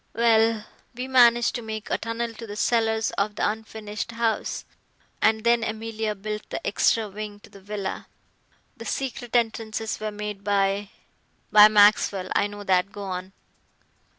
Well, we managed to make a tunnel to the cellars of the unfinished house, and then Emilia built the extra wing to the villa. The secret entrances were made by " "By Maxwell. I know that. Go on."